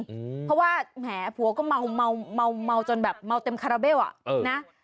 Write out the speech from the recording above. จริงเพราะว่าแหมผัวก็เมาจนแบบเมาเต็มคาราเบลอ่ะ